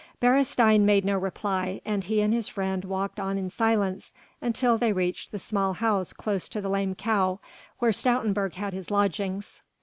Beresteyn made no reply and he and his friend walked on in silence until they reached the small house close to the "Lame Cow" where Stoutenburg had his lodgings.